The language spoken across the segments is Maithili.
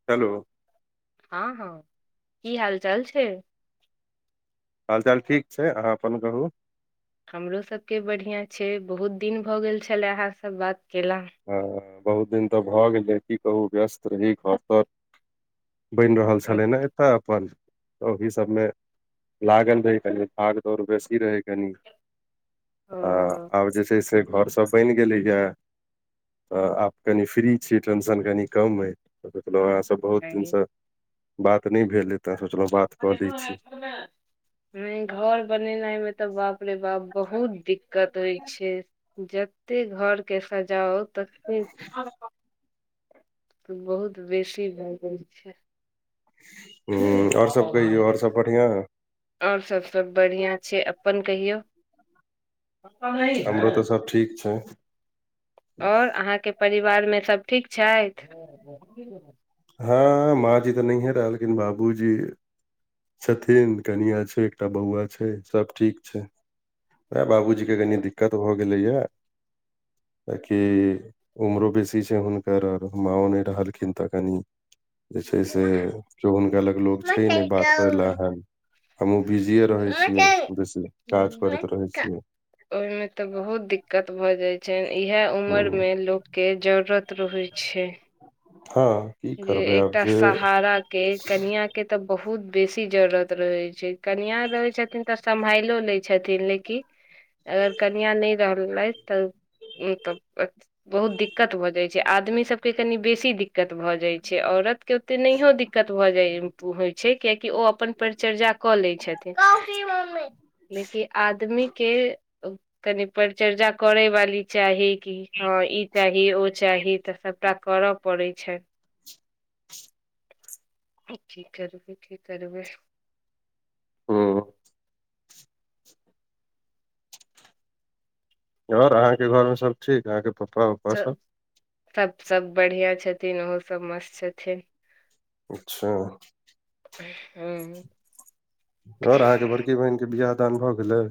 ह। चलो। हँ हँ की हाल चाल छै। हाल चाल ठीक छै अहाँ अपन कहू हमरो सभके बढ़िआँ छै बहुत दिन भऽ गेल छलए अहाँसभ बात कयेल बहुत दिन तऽ भए गेले की कहू व्यस्त रही घरतर बनि रहल छलै नऽ एतऽ अपन तऽ ओहि सबमे लागल रहै कनि भाग दौड़ बेसी रहै कनी आ ओ आब जे छै से घर सब बनि गेलैए तऽ आब कनि फ्री छी टेंशन कनि कम अइ देखलहुँ अहाँसभ बहुत आइ- दिनसँ बात नहि भेल एते सोचलहु बात कऽ लै घर छी बनेना मे तऽ बाप रे बाप बहुत दिक दिक्कत होइ छै जतेक घरके सजाउ ततेक बहुत बेसी भए जाय छै हु आओर सब कहियौ आओर सब बढ़िआं आओर सबसँ बढ़िआँ छै अपन कहियौ हमरो तऽ सब ठीक छै ओर अहाँके परिवारमे सब ठीक छथि हँ माँ जी तऽ नहिें रहलखिन बाबूजी छथिन कनििया छै एकटा बौआ छै सब ठीक छै ह बाबूजीके कनी दिक्कत भऽ गेलैया किया कि उमरो बेसी छै हुनकर आर माँओ नहि रहलखिन तऽ कनी जे छै से के हुनका लग लोक मत छै नहि बात करै ला करू, ऐहन हमहु बिजीे मत रहे छियै बेसी काज करैत रहे छियै ओहि मे ते बहुत दिक्कत भऽ जाय छनि इह उमर हूँ में लोक के जरूरत रहैत छै छै हँ की जे करबै आब एकटा से सहारा के कनिया के तऽ बहुत बेसी जरूरत रहै छै कनिआ रहै छथिन तऽ सम्भइलो लै छथिन लेकिन अगर कनिया नहि रहलै तऽ ओ तब बहुत दिक्कत भऽ जाइत छै आदमी सबके कनि बेसी दिक्कत भऽ जाइ छै औरत के ओते नहियो दिक्कत भऽ जाइ होइ छै कियकि ओ अपन परिचर्या कऽ लैत छथि लेकिन आदमी के कनि परिचर््या करय वाली चाही कि हँ ई चाही ओ चाही तऽ सबटा करय पड़ै छैन की करब की करबे हूँ आर अहाँके घर मऽ सब ठीक अहाँके पप्पा उप्पा सब सभ सब बढ़िआ छथिन ओहो सब मस्त छथिन अच्छा [unintelligible] आओर अहाँके बड़की बहिनक के बिियह दान भऽ गेलैय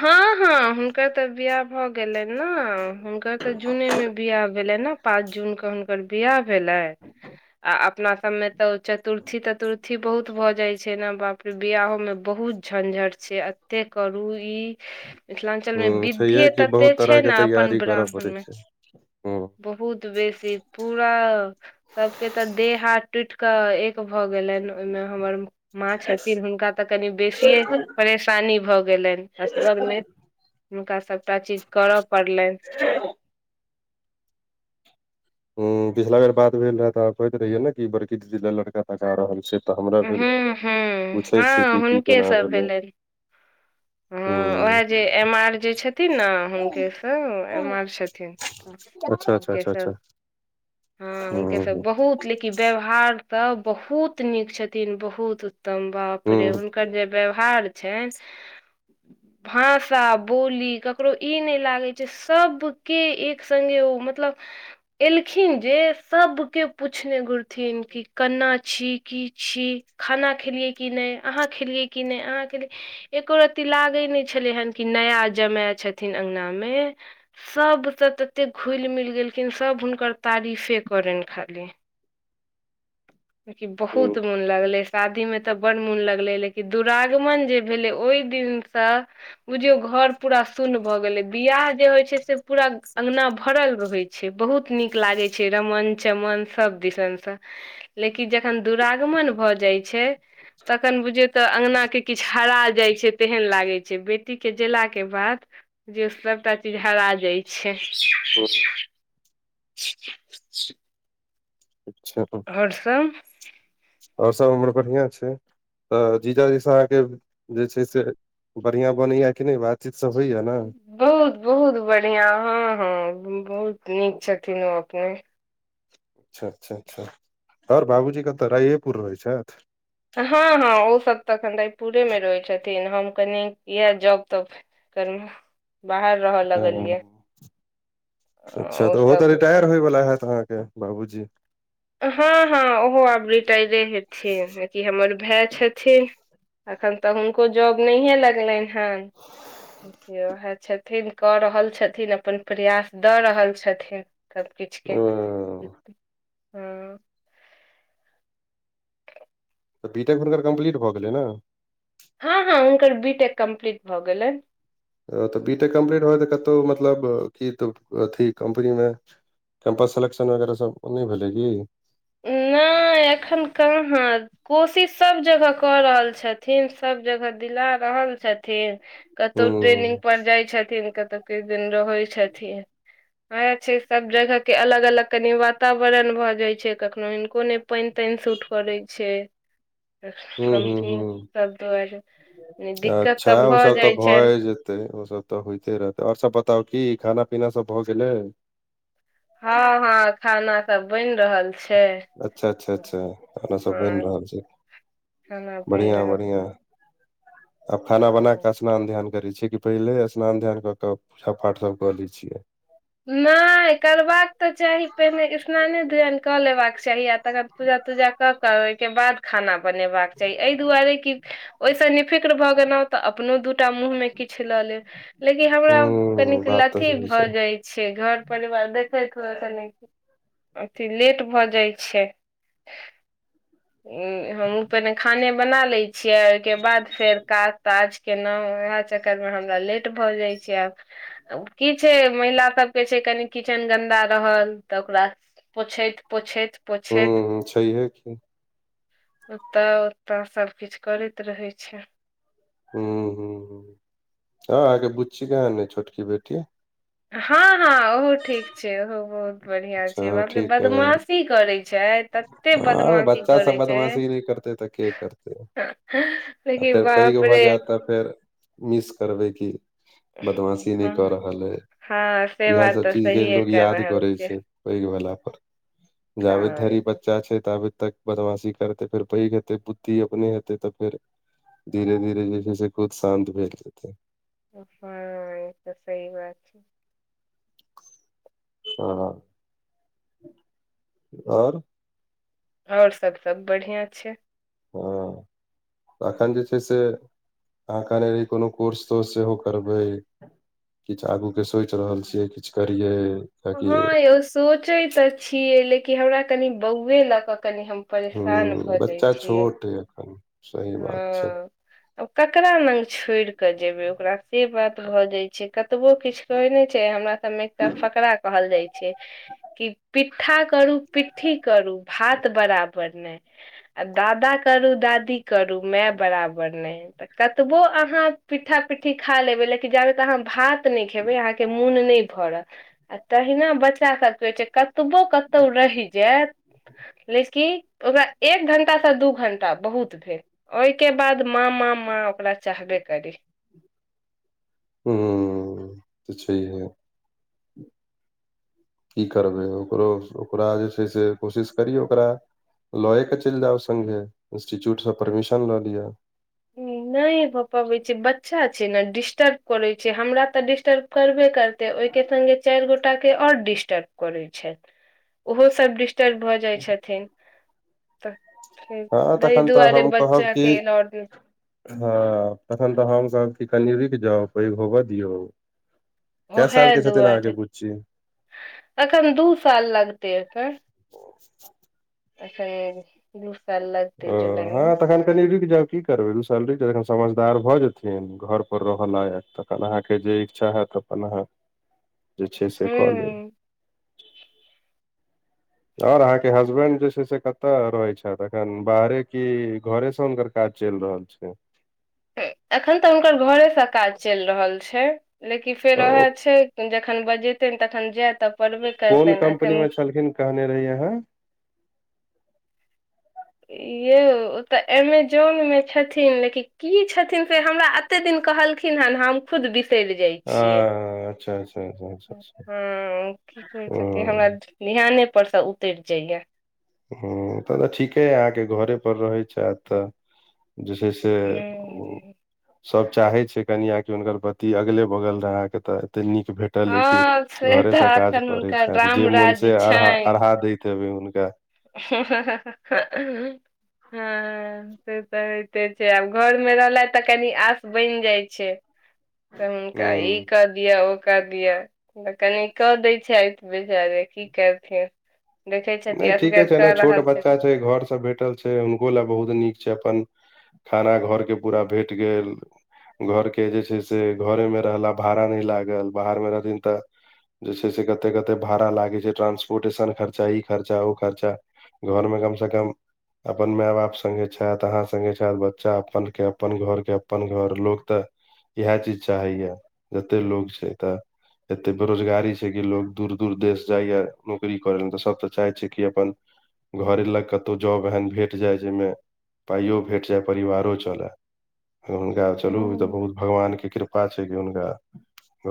हँ हँ हुनकर तऽ बिियाह भऽ गेलनि नऽ हुनकर तऽ जूने मे बिियाह भेलनि नऽ पाँच जून के हुनकर बिियाह भेलै आ अपना सब में तऽ चतुर्थी ततुर्थी बहुत भऽ जाय छै नऽ बाप बिियाह में बहुत झंझट छै एते करू ई मिथिलाञ्चल मे हूँ छैहे बिद्धि कि तते बहुत तरह छै के ने अपन तैयारी करऽ ब्राह्मण पड़ै मे छै हूँ बहुत बहुत बेसी पूरा सभके तऽ देह हाथ टुटि कऽ एक भ। गेलनि ओहिमे हमर। माँ छथिन हुनका तऽ कनि बेसी परेशानी भऽ गेलनि। असगरमे। हुनका सभटा चीज करय पड़लनि। ह। ह पिछला बेर बात भेल रहे तऽ कहैत रहियै ने कि बड़की लड़का तका रहल छै। तऽ हमरा हूँ भेल हूँ पूछै छी। हँ कि की हुनके केना सब भेलै। भेलनि हँ हूँ उएह। जे एम आर जे छथिन ने हुनकेसँ एम आर। छथिन तऽ अच्छा अच्छा हुनके अच्छा सब अच्छा। हँ हुनके हूँ सभ। हूँ बहुत लेकिन व्यवहार तऽ बहुत नीक छथिन बहुत। त बाप रे हुनकर जे व्यवहार छनि। [inaudible] भाषा बोली ककरो ई नहि लागै छै। सभके एक संगे ओ मतलब। एलखिन जे सभके पूछने घुरथिन कि केना छी की छी। खाना खेलियै कि नहि अहाँ खेलियै कि नहि अहाँ खेलियै एको रत। लागै नहि छलै हेन कि नया जमाय छथिन अंगना मे। सभ तऽ तते घुलि मिल गेलखिन सभ। हुनकर तारीफे करनि खाली। लेकिन बहुत हूँ मोन लगले शादी मे ते बड़ मोन लगले लेकिन। कि दुरागमन जे भेलै ओहि दिनसँ। बुझियौ घोर पूरा सुन भऽ गेले बियाह। जे होइ छै। से पूरा अंगना भरल रहइ छै। छै। बहुत नीक लागे छै। रमन चमन सभ दिसन से। [inaudible] लेकिन जखन दुरागमन भऽ जाइ छै। तखन बुझियौ तऽ अङगना के किछु हरा जाइ छै। तेहन लागै छै। बेटीक के जेलाके बाद। जे सभटा। चीज हरा जाइ छै। हूँ [unintelligible] अच्छा। और सभ। ओर सभ हमर बढ़िआं छै। तऽ जीजा जैसँ। अहाँके जे छै। से बढ़िआँ बनैया कि नहि बातचीत सभ होइया ने। बहुत बहुत बढ़िया। हँ हँ बहुत नीक छथिन। ओ अपने। अच्छा अच्छा अच्छा आओर बाबूजी कतऽ राइएपुर। रहै छथिन। हँ हँ ओ सभ तऽ एखन रयपुरेमे रहै छथिन। हम कनि इएह जब तब। कनि। बाहर रहऽ ओ लगलियै। अ, अच्छा तऽ ओ ओहो तऽ सब ओते रिटायर होयवला। हत अहाँके। बाबूजी। हँ हँ ओहो आब। रिटायरे हेथिन। कि हमर भाय छथिन। अखन। तऽ हुनको जॉब नहिये लगलनि हन। देखियौ उएह। छथिन कऽ रहल छथिन अप्पन। प्रयास दऽ रहल छथिन। सभ किछुके ओ हँ बी टेक फहु नकर कम्प्लीट भऽ गेलै ने? हँ हँ हुनकर बी टेक कम्प्लीट भऽ गेलनि। तऽ बी टे कम्प्लीट होय तऽ कतहु मतलब कि अथि कम्पनीमे कैम्पस सेलेक्शन वगैरह सभ नहि भेलै कि? [inaudible] नहि एखन कहाँ ह कोशिश सभ जगह कऽ रहल छथिन सभ जगह दिला रहल छथिन। थे हूँ कतौ ट्रेनिंग पर जाइ छथिन कतौ किछ दिन रहै छथिन। वैह छै सब जगह केँ अलग अलग कनि वातावरण भऽ जाइ छै। कखनो हिनको नै पाइन ताइन सूट करै छै। हूँ हूँ कम्पनी हूँ सब दुआरे दिक्कत तऽ भऽ जाय छनि। जेतेै ओ सब तऽ होयइते रहतै और सब बताउ की खाना पीना सब भऽ गेलै? हँ हँ खाना सब बैन रहल छै। अच्छा अच्छा अच्छा खाना सब बैन हँ रहल छै। खाना बनि बढ़िया रहल बढ़िया [inaudible] आब खाना बना छै कऽ स्नान ध्यान करै छियै कि? पहिले स्नान ध्यान कऽ कऽ पूजा पाठ सब कऽ लै छियै। नै करबाक तऽ चाही पहिने स्नाने ध्यान कऽ लेबा कऽ चाही। तकर पूजा तूजा कऽ कऽ ओइ केँ बाद खाना बनेबाक चाही एहि दुआरे कि ओइ स निफिक्र भऽ गेनौ तऽ अपनो दूटा मुँहमे किछ लऽ लेब। लेकि हमरा हूँ कनिक बात तऽ लथी सही भऽ छै जाय छै घर परिवार देखैै कऽ कनि- अथी लेट भऽ जाइ छै हम पहने खाने बना ले छियै ओइकेँ बाद फेर काज ताज केलैं उएह चक्कर मे हमरा लेट भऽ जाइत छै आब अब की छै महिला सब केँ छै कनि किचन गन्दा रहल तऽ ओकरा पोछैत पोछैत पोछैत हू छैहिय कि ओत ओत सभ किछ करैत रहे छै [unintelligible] हँ अहाँ केँ बुच्ची केहन अय छोटकी बेटी हँ हँ ओहो ठीक छै ओहो बहुत बढ़िआं छै हँ बाप रे ठीक है बदमाशी करै छै तते आ बदमाशी बच्चा सब करै छै बदमाशी नहि करते तऽ के करते [unintelligible] आ लेकिन फेर पैघ भऽ बापरे जायत तऽ फेर मिस करबै कि बदमाशी नै कऽ हँ रहल हइ हँ से इएह बात सब तऽ चीज केँ सहिए लोग कर याद रहल करै छियै छै। पैघ भेला पर [inaudible] जावे धरी कान छै तऽ आबे तक बदमाशी करतै फेर पैघ हेतै बुद्धि अपने हेतै तऽ फेर धीरे धीरे जे छै से खुद शान्त भेल जते। हँ ई तऽ सही बात छै। हँ [inaudible] और और सब सब बढ़िया छै हँ अखन जे छै से [inaudible] अहाँ कहने रही कोनो कोर्स तोर्स सेहो करबै किछ आगू केँ सोच रहल छियै किछ करियै ताकि हँ यौ सोचैत तऽ छियै लेकिन हमरा कनि बौए लऽ कऽ कनि हम परेशान भऽ जाय छियै ठीके कहनि हँ [inaudible] अब ककरा लंग छोड़ कऽ जेबै ओकरा से बात भऽ जाय छै कतबो किछ कहै नै छै हमरा सबमे त फकरा कहल जाइ छै कि पिट्ठा करू पिट्ठी करू भात बराबर नै आ दादा करू दादी करू माँ बराबर नै त कतबो अहाँ पिठ्ठा पिट्ठी खा लेबै लेकिन जाबे त अहाँ भात नै खेबै अहाँ के मोन नहि [unintelligible] आ तहिना बच्चा सब के होइ छै क कतबो कतौ रहि जायत लेकिन ओकरा एक घंटा स दू घंटा बहुत भेल ओईके बाद माँ माँ माँ ओकरा चाहबे करी हूँ त छहिए की करबै ओकरो ओकरा जे छै से ओकरा कोशिश करियौ ओकरा लए क चलि जाउ संगे इंस्टिच्यूटसँ परमिशन लऽ लिअ नै भऽ पाबै छै बच्चा छै ने डिस्टर्प करय छै हमरा तऽ डिस्टर्प करबे करते ओहिके संग चारि गोटा के आओर डिस्टर्ब करय छै ओहो सभ डिस्टर्ब भऽ जाइत छथिन तऽ हँ तै तखन तऽ दुआरे हम कहब कि बच्चाके एलाउड हँ तखन तऽ हम सब कि कनि रुकि जाउ पैघ होबऽ दियौ कै साल के छथिन अहाँके बुच्ची एखन दू साल लगतै एखन अ [unintelligible] [unintelligible] ओ हँ तखन कनि रुकि जाउ की कि करबै दू साल रूकि जखन समझदार भऽ जेथिन घर पर रहय लायग तखन अहाँके जे इच्छा हैत त [unintelligible] जे छै से कऽ लेब हूँ [unintelligible] और अहाँके हसबेंड जे छै से कतय रहै छथि अखन बाहरे की घरे से हुनकर काज चलि रहल छै एखन तऽ हुनकर घरेसँ काज चलि रहल छै लेकिन फेर ओ ओएह छै। जखन बजेते तखन जाय तब। [unintelligible] कोन कम्पनी मे छलखिन कहने रहहि अहाँ। यौ ओ तऽ एमेजोनमे छथिन लेकिन की छथिन से हमरा? कते दिन कहलखिन हन हम खुद बिसरि। जाइ ह अच्छा- अच्छा-अच्छा। [unintelligible] ह की कहे छथि हमरा ध्याने पर से उतेर जाइय। हम्म तब तऽ ठीके यै अहाँके घरे पर रहैत छैथ तऽ जे छै से ह सब चाहे छै कनियाके हुनकर पति अगले बगल रहे अहाँके तऽ एते नीक भेटल त लिखी हँ से घरेसँ तऽ काज एखन करै हुनकर छथि जे राम मोन राज्य से अढ़ा अढ़ाह दैत हेबै हुनका हा हा हा [unintelligible] [inaudible] से तऽ होइते छै आब घर मे रहलथि तऽ कनि आस बनि जाइ छै तऽ हुनका ई हूँ कऽ दियअ ओ कऽ दियअ त कनि कऽ दैत छैथ बिचारे की करथिन देखै छथि नहि ठीके छै ने। छोट बच्चा छै। घर से भेटल छै। हुनको लए बहुत नीक छै, अपन। खाना घरके पूरा भेट गेल। घरके जे छै, से घरेमे रहला भाड़ा नहि लागल बाहरमे रहथिन तऽ। जे छै से कते-कते भाड़ा लागे छै ट्रांसपोर्टेशन खर्चा ई। खर्चा ओ खर्चा घरमें कम से कम। अपन माय बाप संगे छथि। अहाँ संगे छथि बच्चा अपन के अपन घर के अपन घर लोक तऽ। इएह चीज चाहै या, जते लोग छै तऽ। एते बेरोजगारी छै, कि लोग दूर-दूर देश जायया नौकरी करे ल त सभ त चाहै छै कि, अपन घरे लग कतहु जॉब एहन भेट जाय जाहिमे। पाइयो भेट जाय, परिवारो चलय। हुनका चलु ई त बहुत भगवान के कृपा छै कि हुनका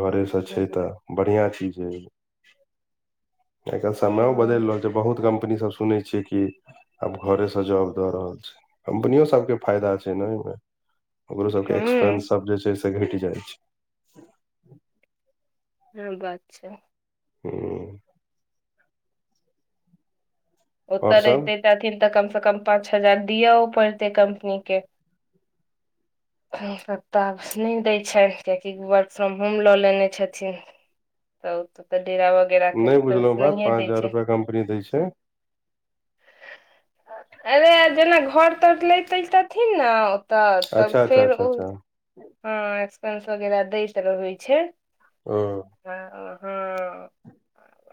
घरे छय तऽ बढ़िया चीज जँ समय बदइल रहल। जे बहुत कम्पनी सभ सुन छी कि, आब घरे से जॉब द रहल छै। कम्पनियो सभ के फायदा छै ने, ओमे ओकरो सभके ह एक्सपेंस सभ जे छै से घटि जाय छै। हँ बात छै। हूँ। आओर ओतऽ सब रहिते थिन तऽ कम से कम पाँच हजार दिआ पड़तै कम्पनी के। को कित नहि दै छनि कियकि वर्क फ्रम होम लऽ लेने छथिन। तब तऽ तऽ डेरा वगैरह के नहि एएस्पेस बुझलहुँ बात नहिए पाँच दै हजार छै। रुपया कम्पनी दै छै एगे अंजना घर तर लैतिथिन न अच्छा- अच्छा- अच्छा हँ एकसंस वगैरह दैत रहैत छै। ह। अह ह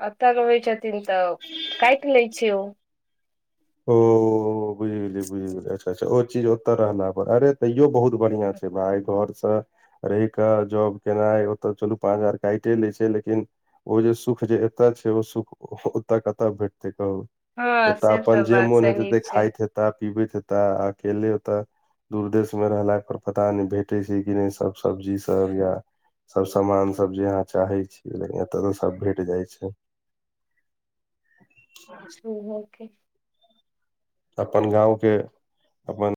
अत रहय छथिन। छिन तऽ काटि लै छै ओ बुझि गेलियी बुझि गेली अच्छा अच्छा ओ चीज। तऽ रहला पर आरे तैयो बहुत बढ़िया छै भाइ घर से। रहि कऽ जॉब केनाइ ओतऽ चलू पाँच हजार काटे लै छै लेकिन। ओ जे सुख जे एतय छै, ओ सुख ओतऽ कतऽ भेटतै कहू हँ एतऽ से। अपन तऽ जे बात मोन सही होते छै खाइत हेता। पीबैत हेता अकेले ओताे। दूर् देश मे रहला पर पता नहि भेटै छै कि नहि सभ सब्जी सभ या। सभ सामान सभ जे अहाँ चाहे छी लेकिन एतो सभ भेट जाय छै। सुबह के अपन गावके अपन।